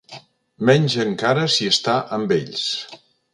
Menys encara si està amb ells.